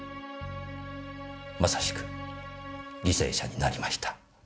まさしく犠牲者になりました。